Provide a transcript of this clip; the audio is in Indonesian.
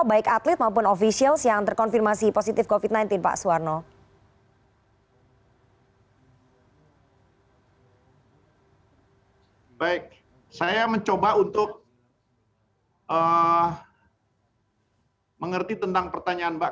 baik saya mencoba untuk mengerti tentang pertanyaan mbak